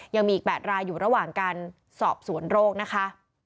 ยังมีอีก๘รายอยู่ระหว่างการสอบสวนโรคนะคะ